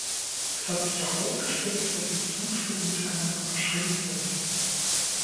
Es hat sich herausgestellt, dass die Zustände miteinander verschränkt sind.